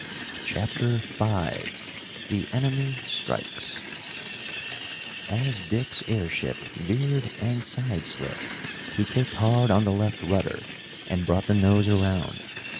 CHAPTER V The Enemy Strikes As Dick's airship veered and side slipped, he kicked hard on the left rudder and brought the nose around.